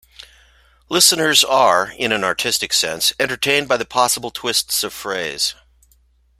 Listeners are, in an artistic sense, entertained by the possible twists of phrase.